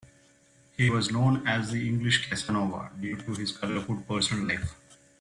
He was known as the English Casanova, due to his colourful personal life.